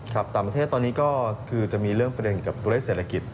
ต่างประเทศตอนนี้ก็คือจะมีเรื่องประเด็นกับตัวเลขเศรษฐกิจ